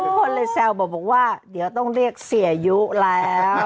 คนเลยแซวบอกว่าเดี๋ยวต้องเรียกเสียยุแล้ว